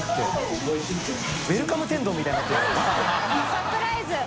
サプライズ。